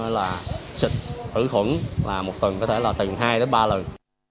là xịt thử khuẩn là một tuần có thể là từng hai đến ba lần